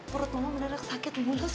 perut mama mendadak sakit mulus